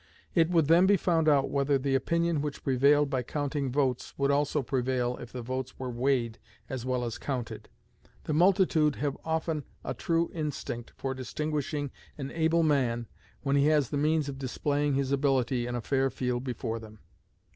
It would then be found out whether the opinion which prevailed by counting votes would also prevail if the votes were weighed as well as counted. The multitude have often a true instinct for distinguishing an able man when he has the means of displaying his ability in a fair field before them.